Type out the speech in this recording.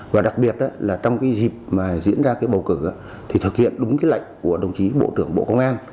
và đặc biệt là trong dịp diễn ra bầu cử thì thực hiện đúng lệnh của đồng chí bộ trưởng bộ công an